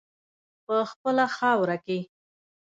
په خپله خاوره کې.